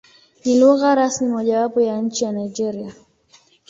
Ni lugha rasmi mojawapo ya nchi ya Nigeria.